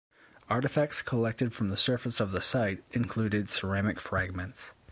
Artifacts collected from the surface of the site included ceramic fragments.